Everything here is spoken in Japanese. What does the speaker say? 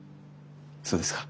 そうですか。